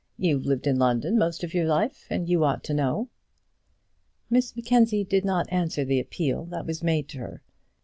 You've lived in London most of your life, and you ought to know." Miss Mackenzie did not answer the appeal that was made to her.